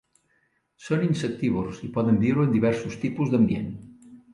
Són insectívors i poden viure en diversos tipus d'ambients.